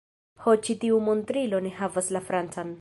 Ho ĉi tiu montrilo ne havas la francan